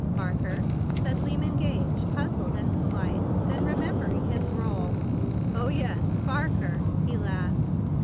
"Barker?" said Lyman Gage, puz¬ zled and polite, then, remembering his role, "Oh, yes, Barker!" He laughed.